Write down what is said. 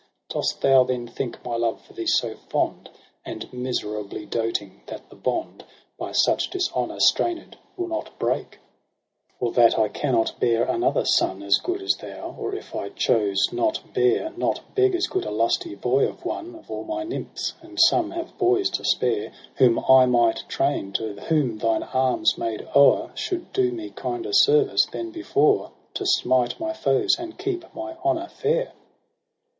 Dost thou then think my love for thee so fond. And miserably doting, that the bond By such dishonour strained will not break ? IJ4 EROS S^ PSYCHE ' Or that I cannot bear another son As good as thou ; or, if I choose not bear. Not beg as good a lusty boy of one Of all my nymphs, — and some have boys, to spare, — Whom I might train, to whom thine arms made o'er Should do me kinder service than before, To smite my foes and keep my honour fair